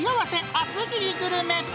厚切りグルメ。